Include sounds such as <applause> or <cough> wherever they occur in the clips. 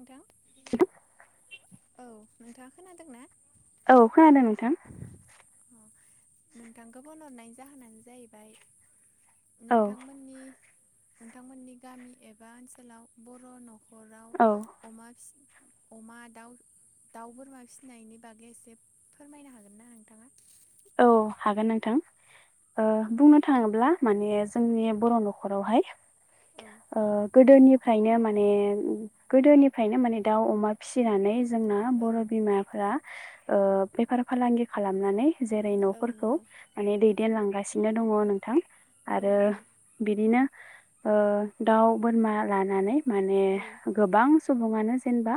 नोंथां औ नोंथाङा खोनादों ना? औ खोनादों नोंथां। अ नोंथांखौ फन हरनायनि जाहोनानो जाहैबाय औ नोंथांमोननि नोंथांमोननि गामि एबा ओनसोलाव बर' न'खर औ अमा अमा दाउ दाउ बोरमा फिसिनायनि बागै एसे फोरमायनो हागोन ना नोंथाङा? औ हागोन नोंथां। बुंनो थाङोब्ला माने जोंनि बर' न'खरावहाय औ ओ गोदोनिफ्रायनो माने माने गोदोनिफ्रायनो माने दाउ अमा फिसिनानै जोंना औ बर' बिमाफोरा ओ बेफार फालांगि खालामनानै जेरै न'फोरखौ नंगौ माने दैदेनलांगा सिनो दङ नोंथां औ आरो नंगौ बिदिनो ओ दाउ बोरमा लानानै माने औ गोबां सुबुङानो जेनेबा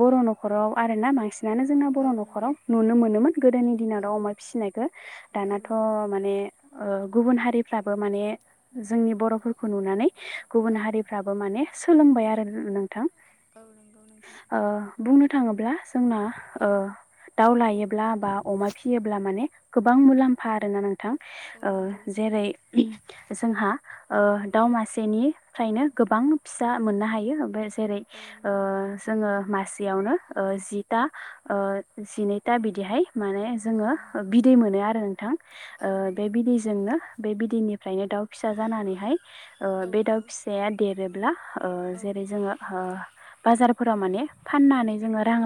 बर' न'खराव आर ना बांसिनानो जोंना बर' औ नंगौ न'खराव नुनो मोनोमोन गोदोनि दिनाव औ दाव अमा फिसिनायखौ औ दानाथ' नंगौ माने गुबुन हारिफ्राबो माने जोंनि बर'फोरखौ नुनानै औ गुबुन हारिफ्राबो माने सोलोंबाय आरो नोंथां। औ नंगौ नोंथां। ओ बुंनो थाङोब्ला जोंना ओ दाउ लायोब्ला बा अमा फियो गोबां मुलाम्फा आरोना नोंथां औ ओ नंगौ जेरै जोंहा ओ दाउ मासेनिफ्रायनो गोबां फिसा मोननो हायो ओमफ्राय जेरै औ नंगौ जोङो मासे जियावनो जिथा जिनैथा बिदिहाय माने औ जोङो नंगौ बिदै मोनो आरो नोंथां औ बे नंगौ नोंथां बिदैजोंनो बे बिदैनिफ्रायनो दाउ फिसा जानानैहाय औ बे दाउ नंगौ फिसाया देरोब्ला औ जेरै जोङो बाजारफोराव माने फाननानै जोङो रां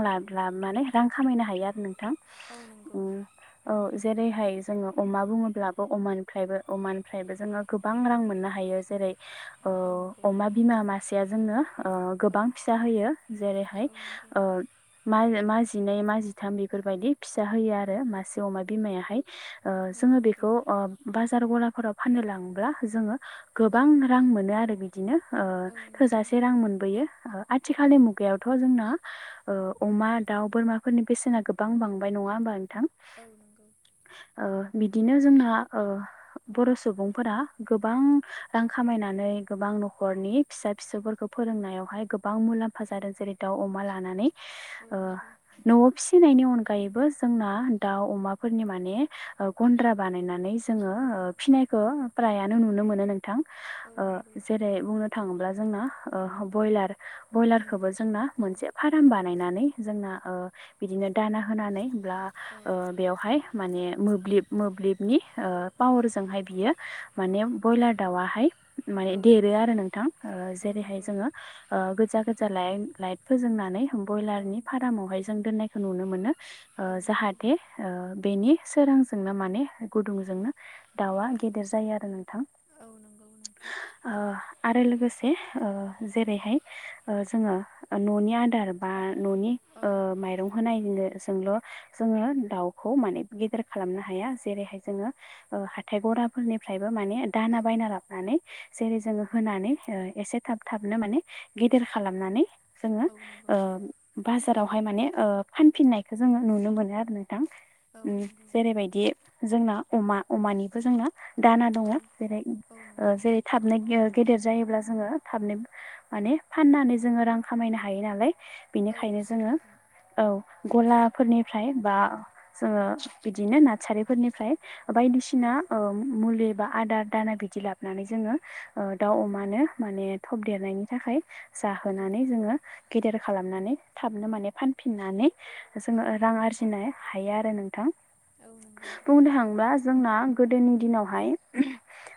माने रां खामायनो हायो आरो नोंथां औ नंगौ। उम औ जेरैहाय जोङो अमा बुङोब्लाबो अमानिफ्रायबो अमानिफ्रायबो जोङो गोबां रां मोननो हायो बेयो जेरै औ नंगौ अमा बिमा मासेया जोंनो औ गोबां फिसा होयो औ नंगौ जेरैहायओ मा मा जिनै मा जिथाम बेफोरबायदि फिसा होयो। औ आरो मा बिमायाहाय ओ जोङो नंगौ बिखौ ओ बाजार गला फोराव फाननो लाङोब्ला जोङो गोबां रां मोनो आरो बिदि बिदिनो ओ औ नंगौ थोजासे रां मोनबोयो औ आथिखालनि मुगायावथ' जोंना ओ अमा दाउ बोरमाफोरनि बेसेना गोबां बांबाय नङा होमबा नोंथां औ नोंगौ ओ बिदिनो जोंहा ओ ओ बर' सुबुंफोरा गोबां रां खामायनानै गोबां न'खरनि फिसा फिसौफोरखौ फोरोंनायावहाय गोबां मुलाम्फा जादों जेरै दाउ अमा लानानै औ ओ नंगौ न'आव फिसिनायनि अनगायैबो जोंना दाउ अमाफोरनि माने ओ गन्द्रा बानायनानै जोङो औ ओ फिनायखौ फ्रायानो नुनो मोनो नों औ नंगौ जेरै बुंनो थाङोब्ला जोंना ब्रयलार उम बयलारखौबो जोंना औ मोनसे फार्म बानायनानै जोंना ओ बिदिनो दाना होनानै ब्ला औ ओ बेवहाय माने मोब्लिब मोब्लिबनि ओ पावारजोंहाय बियो माने बयलार दावाहाय माने औ देरो आरो नोंथां ओ औ जेरैहाय नंगौ जोङो ओ गोजा गोज जा लायट लाइट फोजोंनानै औ बयलारनि फारामावहाय जों दोन्नायखौ नुनो मोनो ओ औ नोंगौ जाहाथे ओ बेनि सोरांजोंनो माने गुदुंजोंनो दाउआ गेदेर जायो आरो नोंथां औ नंगौ नोंथां ओ आरो लोगोसे जेरैहाय जोङो न'नि आदार बा न'नि औ ओ माइरं होनाय जोंल' जोङो दाउखौ माने गेदेर खालामनो हाया जेरैहाय जोङो ओ हाथाय गराफोरनिफ्राय माने औ दाना बायना लाबोनानै जेरै जोङो होनानै ओ एसे थाब थाबनो माने गेदेर खालामनानै जोङो औ नंगौ ओ बाजारावहाय माने ओ फानफिननायखौ जोङो नुनो मोनो आरो नों थां औ नंगौ जेरैबायदि जोंना अमा अमानिबो जोंना दाना दङ औ जेरै औ ओ नंगौ जेरै थाबनो देर गेदेर जायोब्ला जोङो थाबनो माने फाननानै जोङो रां खामायनो हायो नालाय औ बिनिखायनो नंगौ जोङो नोंथां औ गलाफोरनि फ्राय बा जोङो बिदिनो नारसारिफोरनिफ्राय औ बायदिसिना ओ मुलि बा आदार दाना बिदि लाबोनानै जोङो ओ दाउ औ नंगौ अमानो माने थब देरनायनि थाखाय औ जाहोनानै जोङो गेदेर खालामनानै थाबनो माने फानफिननानै औ जोङो रां नंगौ नोंथां आरजिनो हायो आरो नोंथां औ नंगौ बुंनो थाङोब्ला जोंना गोदोनि दिनावहाय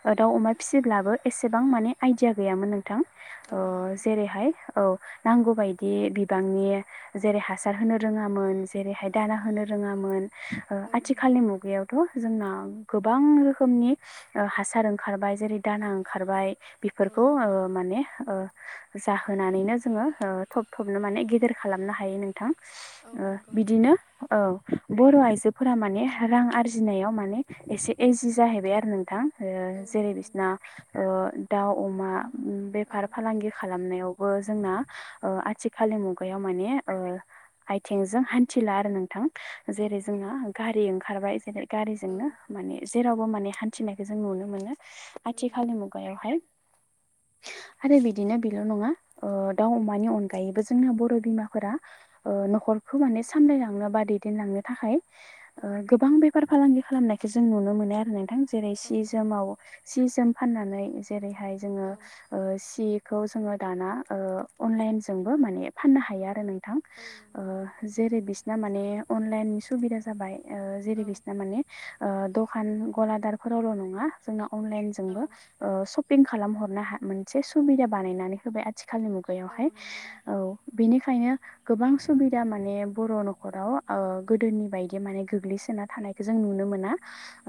ओ दाउ अमा फिसिब्लाबो एसेबां माने आइदिया गैयामोन नों थां औ ओ नंगौ जेरैहाय औ नांगौ बायदि बिबांनि जेरै हासार होनो रोङामोन जेरैहाय औ नंगौ औ दाना होनो रोङामोन आथिखालनि ओ मुगायावथ' जोंनााव गोबां रोखोमनि ओ हासार ओंखारबाय जेरै दाना ओंखारबाय बेफोरखौ ओ माने ओ जाहोनानैनो जोङो ओ थब थबनो माने गेदेर खालामनो हायो नोंथां औ नंगौ औ नंगौ बिदिनो ओं बर' आइजोफोरा माने रां आरजिनायाव माने एसे इजि जाहैबाय आरो नोंथां ओ जेरै बिसना ओ दाउ अमा औ नंगौ औ बेफार फालांगि खालामनायावबो जोंना ओ आथिखाल खालि मुगायाव माने आथिंजों हान्थिला आरो नोंथां। औ जेरै नंगौ जोंना गारि ओंखारबाय जेरै गारिजोंनो माने जेरावबो माने हान्थिनायखौ जों नुनो मोनो आथिखालनि मुगायाव हाय <unintelligible> आरो बिदिनो बेल' नङा ओ दाउ अमानि अनगायैबो जोंना बर' बिमाफोरा ओ न'खर खौ सामलायलांनो बा दैदेनलांनो थाखाय औ ओ गोबां बेफार फालांगि खालामनायखौ जों नुनो मोनो आरो नोंथां। जेरै औ सि नंगौ जोमाव सि जोम फाननानै जेरै बेहाय जोङो औ सि -खौ जोङो दाना अनलाइनजोंबो माने फाननो हायो आरो नोंथां। औ ओ। नंगौ जेरै बिसिना माने अनलाइन सुबिदा जाबाय ओ जेरै औ बिसिना माने ओ दखान गलादारफोरावल' नङा जोंना अनलाइन औ जोंबो ओ सपिं खालामहरनो मोनसे सुबिदा बानायनानै होबाय आथि आथिखालनि औ मुगायावहाय नंगौ नोंथां औ बेनिखायनो गोबां सुबिदा मा बर' न'खराव ओ गोदोनि बायदि माने गोग्लैसोना थानायखौ जों नुनो मोना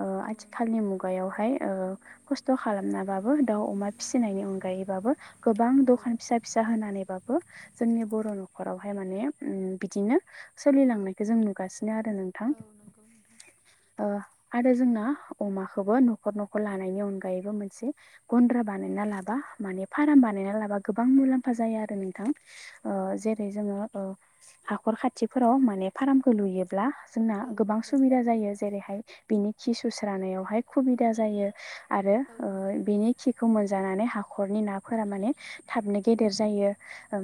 ओ औ नंगौ आथिखालनि मुगायावहाय ओ खस्थ' खालामनाबाबो दाउ अमा फिसिनायनि अनगायैबाबो गोबां औ दखान फिसा फिसा होनानैबाबो जोंनि बर' न'खरावहाय माने ओम बिदिनो सोलिलांनायखौ जों नुगासि बेनो आरो नोंथां औ नंगौ नोंथां ओ आरो जोंना अमाखौबो न'खर न'खर लानायनि अनगायैबो मोनसे गन्द्रा बानायना लाबा माने फान फाराम बानायनानै लाबा गोबां औ मुलामफा जायो आरो नोंथां ओ औ नंगौ जेरै जोंङो औ हाखर खाथिफोराव माने फार्मखौ लुयोब्ला जोंना औ गोबां नंगौ सुबिदा जायो जेरैहाय बिनि खि सुस्रानायावहाय खुबिदा जायो आरो औ नंगौ बेनि खिखौ मोनजानानै हाखरनि नाफोरा माने थाबनो गेदेर जायो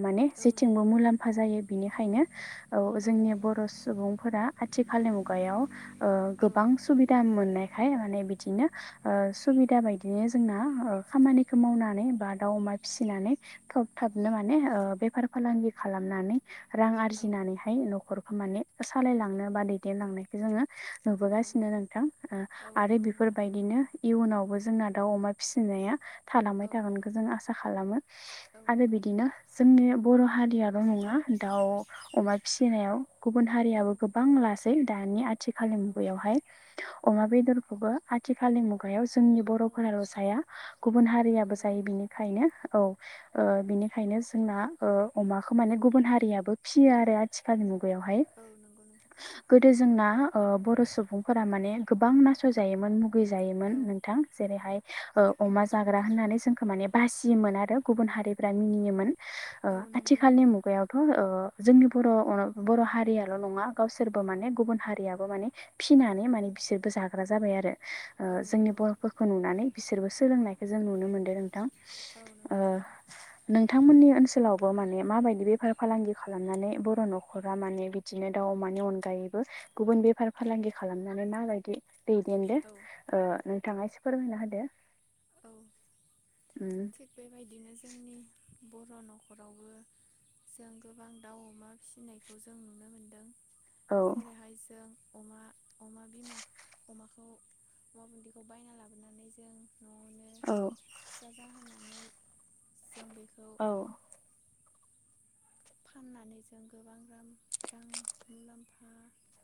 माने औ जेथिंबो नंगौ मुलाम्फा जायो बिनिखायनो औ जोंनि बर' सुबुं फोरा आथिखालनि मुगायाव ओ गोबां औ सुबिदा मोननायखाय माने बिदिनो ओ सुबिदा बायदि जोंना खामानिखौ मावनानै बा दाउ अमा फिसिनानै थब थाब माने ओ बेफार फालांगि खालामनानै रां आरजि गिनानैहाय न'खरखौ माने सालायलांनो बा दैदेनलांनायखो जोङो औ नुबोगासिनो नोंथां औ आरो नंगौ नोंथां बेफोरबायदिनो इयुनावबो जो जोंना दाउ अमा फिसिनाया थालांबाय औ थागोनखौ नंगौ जों आसा खालामो। औ आरो नंगौ बिदिनो नोंथां जोंनि बर' हारियाल' नङा दाउ अमा फिसिनायाव गुबुन औ हारियाबो गोबां लासै दानि औ आथिखालनि नंगौ मुगायावहाय अमा बेदरखौबो आथिखालनि मुगायाव जोंनि औ बर'फोराल' जाया गुबुन औ हारियाबो नंगौ जायो बिनिखायनो औ। ओ बिनिखायनो जोंना ओ अमाखौ माने गुबुन हारियाबो फिसियो आरो आथिखालनि मुगायावहाय औ नंगौ नोंथां गोदो जोंना ओ बर' सुबुंफोरा माने गोबां नासय जायोमोन मुगै जायोमोन औ नोंथां जेरैहाय अमा जाग्रा होननानै जोंखौ माने बासियोमोन आरो गुबुन हारिफ्रा मिनियोमोन‌ ओ औ नंगौ आथिखालनि नोंथां मुगायावथ' ओ जोंनि बर' बर' हारियाल' नङा गावसोरबो माने गुबुन हारियाबो माने फिनानै माने बिसोरबो जाग्रा जाबाय आरो ओ औ जोंनि नंगौ बर'फोरखौ नुनानै बिसोरबो सोलोंनायखौ जों नुनो मोनो नोंथां औ नंगौ नोंथां नोंथांमोननि ओनसोलावबो माने मा बायदि बेफार फालांगि खालामनानै बर' न'खरा माने बिदिनो दाउ अमानि अनगायैबो गुबुन बेफार फालांगि खालामनानै माबायदि दैदेनदो औ ओ नोंथाङा एसे फोरमायना होदो। औ उम थिग बेबायदिनो जोंनि बर' न'खरावबो जों गोबां दाउ अमा फिसिनायखौ जों नुनो मोनदों। औ जेरैहाय जों अमा अमा बिमा खौ अमा बुन्दैखौ बायना लाबोनानै जों न'आवनो औ। फिसा जाहोनानै जों बे औ फाननानै जों गोबां रां रां मुलाम्फा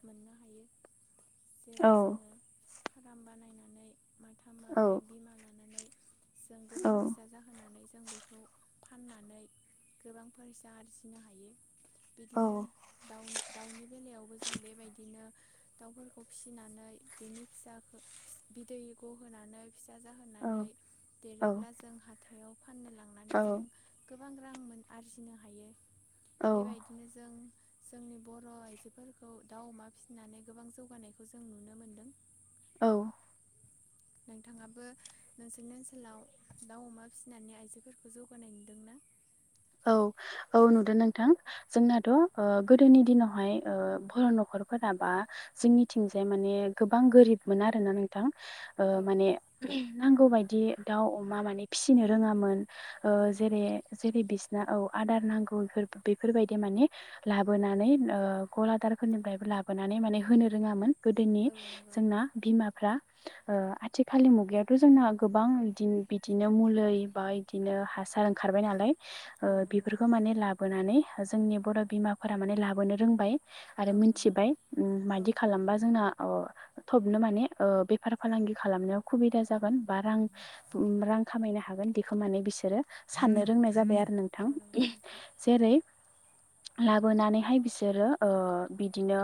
मोननो हायो। जेरै जोङो फार्म बानायनानै माथाम औ माब्रै बिमा लानानै जों गोबां फिसा जाहोनानै जों बेखौ फाननानै गोबां फैसा आरजि हायो औ बिदिनो दाउ दाउनि बेलायावबो जों बेबायदिनो। दाउफोरखौ फिसिनानै बेनि फिसाखौ बिदै गहोनानै फिसा जाहोनानै औ देरोब्ला जों हाथायाव फाननो लांनानै जों गोबां रां मोनो आरजिनो हायो औ बेबायदिनो जों जोंनि बर' आइजोफोरखौ दाउ अमा फिसिनानै गोबां जौगानायखौ जों नुनो मोनदों। औ। नोंथाङाबो नोंसोरनि ओनसोलाव दाउ अमा फिसिनानै आइजोफोरखौ जौगानाय नुदोंना? <inaudible> औ औ नुदों नोंथां जोंनाथ' गोदोनि दिनावहाय बर' न'खर फोराबा जोंनि थिंजाय माने गोबां गोरिब मोन आरोना नोंथां औ माने नांगौ बायदि दाउ अमा माने फिसिनो रोङामोन। औ जेरै नंगौ जेरै बि औ आदार नांगौ बेफोरबायदि माने लाबोनानै गलादारफोरनिफ्रायबो लाबो नानै माने होनो रोङामोन गोदोनि औ नंगौ जोंना बिमाफ्रा। आथिखालनि मुगायावथ' जोंना गोबां बिदिनो बिदिनो मुलि बा बिदिनो हा सार ओंखारबाय नालाय। औ नंगौ बेफोरखौ माने लाबोनानै जोंनि बर' बिमाफोरा माने लाबोनो रोंबाय। आरो औ नंगौ मिथिबाय माबायदि औ खालामबा जोंना अ थबनो माने बेफार फालांगि खालामनायाव सुबिदा जागोन बा रां रां खामायनो हागोन बेखौ माने बिसोरो साननो औ रोंनाय जाबाय आरो औ नोंथां नंगौ नोंथां जेरै लाबोनानैहाय बिसोरो बिदिनो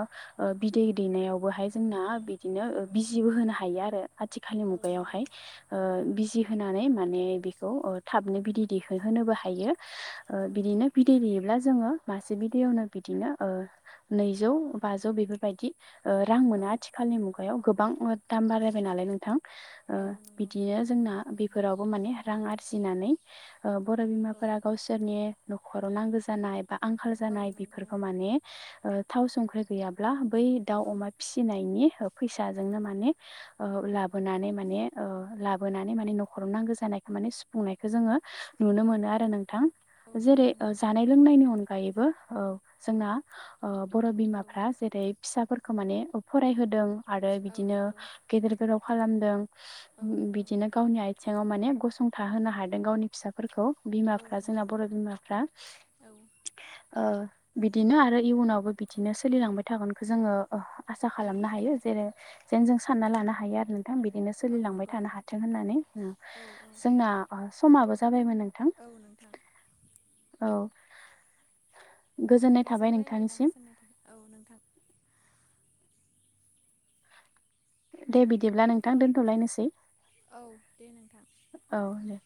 बिदै दैनायावबोहाय जोंना बिदिनो बिजिबो होनो हायो आरो। आथिखालनि औ नंगौ मुगायावहाय औ बिजि होनानै माने बेखौ थाबनो बि बिदै दैहोहोनोबो हायो औ नंगौ बिदिनो बिदै दैेयोब्ला जोङो मासे बिदैयावनो बिदिनो नैजौ बाजौ बेफोरबायदि रां औ मोनो आथिखालनि मुगायाव गोबां दाम बारायबाय नालाय नोंथां। औ नंगौ बिदिनो जोंना बेफोरावबो माने रां आरजिनानै बर' बिमा औ फोरा गावसोरनि न'खराव नांगौ जानाय बा आंखाल औ जानाय नंगौ बेफोरखौ माने थाव संख्रि गैयाब्ला बै दाउ औ अमा फिसिनायनि फैसाजोंनो माने लाबोनानै माने लाबोनानै माने न'खराव नांगौ जानाय माने सुफुंनायखौ जोङो नुनो औ मोनो आरो नोंथां औ नंगौ जेरै नोंथां जानाय लोंनायनि अनगायैबो औ जोंना बर' औ बिमाफ्रा जेरै फिसाफोरखौ माने फरायहोदों आरो औ बिदिनो नंगौ गेदेर गोलाव खालामदों औ नंगौ बिदिनो गावनि आथिङाव माने गसं था होनो हादों गावनि फिसाफोरखौ। औ बिमाफ्रा नंगौ जोंना बर' नोंथां बिमाफ्रा औ ओ बिदिनो आरो इयुनावबो बिदिनो सोलिलांबाय थागोनखौ जोङो आसा औ खालामनो नंगौ हायो जेरै जेन जों सानना लानो हायो आरो। नोंथां बिदिनो औ सोलिलांबाय नंगौ थानो नोंथां हाथों होननानै औ औ जोंना समाबो जाबायमोन नोंथां। औ नोंथां। औ। गोजोननाय नोंथांजों थाबाय रायज्लायना नोंथांनिसिम गोजोननाय थाबाय औ नोंथां। दे बिदिब्ला नोंथां दोनथ'लायनोसै। औ दे नोंथां। औ दे।